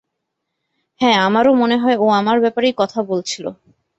হ্যাঁ, আমারও মনে হয় ও আমার ব্যাপারেই কথা বলছিল।